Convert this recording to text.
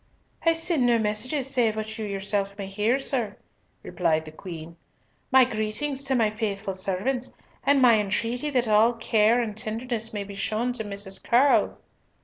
"I send no messages save what you yourself may hear, sir," replied the Queen. "My greetings to my faithful servants, and my entreaty that all care and tenderness may be shown to Mrs. Curll."